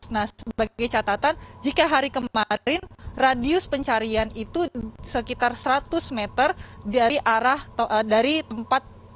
nah sebagai catatan jika hari kemarin radius pencarian itu sekitar seratus meter dari tempat